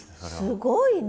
すごいね。